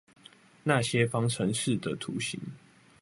那些方程式的圖形